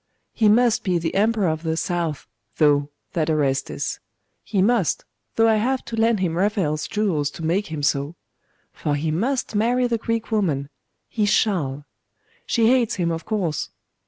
He must be the Emperor of the South, though, that Orestes; he must, though I have to lend him Raphael's jewels to make him so. For he must marry the Greek woman. He shall. She hates him, of course....